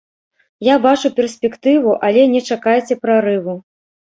Я бачу перспектыву, але не чакайце прарыву.